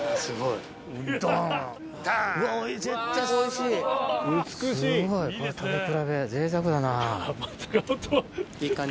すごいな！